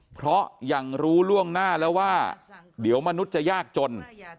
เพราะยังรู้ล่วงหน้าแล้วว่าเดี๋ยวมนุษย์จะยากจน